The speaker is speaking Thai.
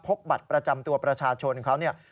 พกบัตรประจำตัวประชาชนของเขา